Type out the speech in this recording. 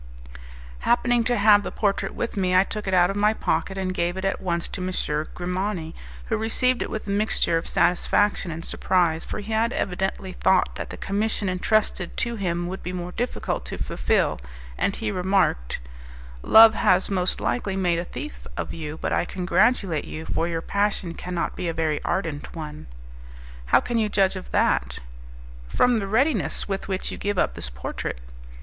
Happening to have the portrait with me, I took it out of my pocket, and gave it at once to M. Grimani, who received it with a mixture of satisfaction and surprise for he had evidently thought that the commission entrusted to him would be more difficult to fulfil, and he remarked, "Love has most likely made a thief of you but I congratulate you, for your passion cannot be a very ardent one." "How can you judge of that?" "From the readiness with which you give up this portrait."